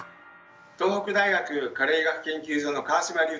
東北大学加齢医学研究所の川島隆太です。